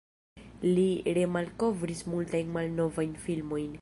Li remalkovris multajn malnovajn filmojn.